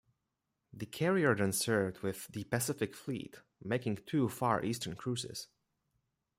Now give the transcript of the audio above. The carrier then served with the Pacific Fleet making two Far Eastern cruises.